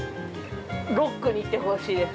◆ロックにいってほしいです。